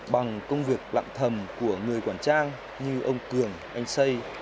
bằng công việc lặng thầm của người quản trang như ông cường anh xây